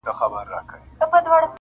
پاک پر شرعه برابر مسلمانان دي,